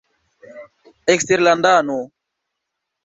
eksterlandano